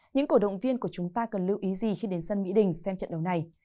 những cổ động viên của chúng ta cần lưu ý gì khi đến sân mỹ đình xem trận đấu này